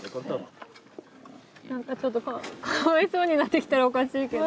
何かちょっとかわいそうになってきたらおかしいけど。